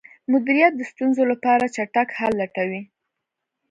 مدیریت د ستونزو لپاره چټک حل لټوي.